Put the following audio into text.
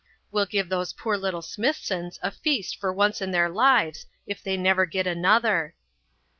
We'll give those poor little Smithsons a feast for once in their lives if they never get another."